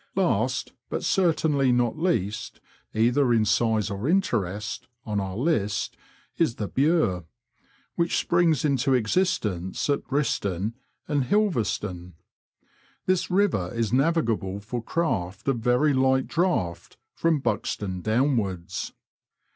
Last, but certainly not least (either in size or interest), on our list is the Bure, which springs into existence at Briston and Hindolvestone. This river is navigable for craft of very light draught from Buxton downwards.